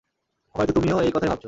হয়তো তুমিও এই কথাই ভাবছো।